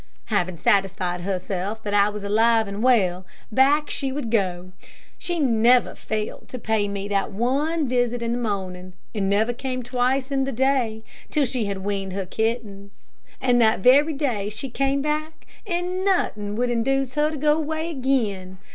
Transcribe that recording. Having satisfied herself that I was alive and well, back she would go. She never failed to pay me that one visit in the morning, and never came twice in the day, till she had weaned her kittens; and that very day she came back, and nothing would induce her to go away again.